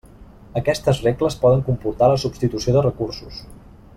Aquestes regles poden comportar la substitució de recursos.